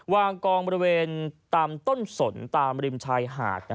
วางกองบริเวณตามต้นสนตามริมชายหาด